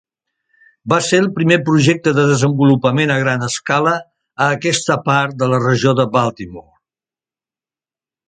Va ser el primer projecte de desenvolupament a gran escala a aquesta part de la regió de Baltimore.